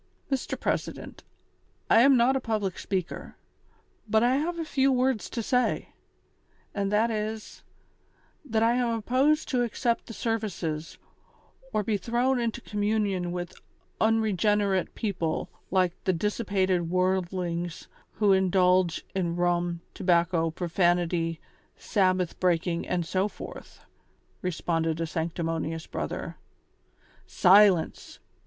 "Mr, President, I am not a public speaker, but I have a few words to say ; and that is, that I am opposed to accept the services, or be thrown into communion with unregene rate people like the dissipated worldlings who indulge in rum, tobacco, profanity, Sabbath breaking and so forth," responded a sanctimonious brother. "Silence!"